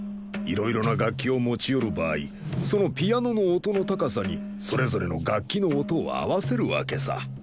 いろいろな楽器を持ち寄る場合そのピアノの音の高さにそれぞれの楽器の音を合わせるわけさ。